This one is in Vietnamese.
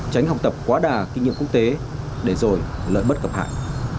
tránh học tập quá đà kinh nghiệm quốc tế để rồi lợi bất cập hại